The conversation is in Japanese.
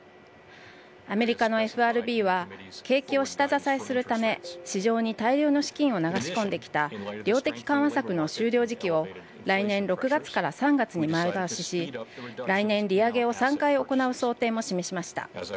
アメリカのＦＲＢは景気を下支えするため市場に大量の資金を流し込んできた量的緩和策の終了時期を来年６月から３月に前倒しし来年、利上げを３回行う想定を示しました。